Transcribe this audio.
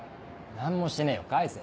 何もしてねえよ返せ。